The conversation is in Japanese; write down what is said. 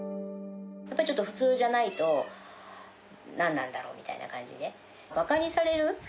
やっぱりちょっと普通じゃないと、何なんだろうみたいな感じで、ばかにされる。